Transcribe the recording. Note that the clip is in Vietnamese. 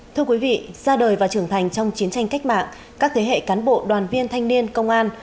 thưa quý vị ra đời và trưởng thành trong chiến tranh cách mạng các thế hệ cán bộ đoàn viên thanh niên công an